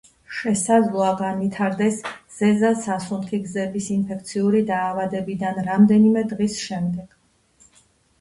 შესაძლოა განვითარდეს ზედა სასუნთქი გზების ინფექციური დაავადებიდან რამდენიმე დღის შემდეგ.